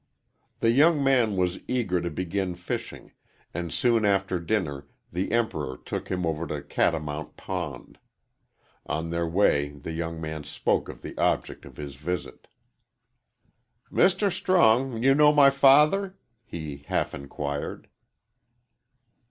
The young man was eager to begin fishing, and soon after dinner the Emperor took him over to Catamount Pond. On their way the young man spoke of the object of his visit. "Mr. Strong, you know my father?" he half inquired.